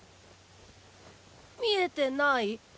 みえてない？